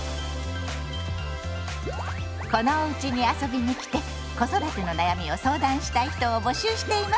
このおうちに遊びに来て子育ての悩みを相談したい人を募集しています！